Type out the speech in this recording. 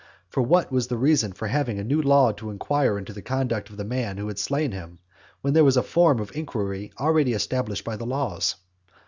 For what was the reason for having a new law to inquire into the conduct of the man who had slain him, when there was a form of inquiry already established by the laws?